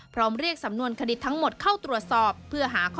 พร้อมเรียกสำนวนคดิตทั้งของทุกการผู้ตาย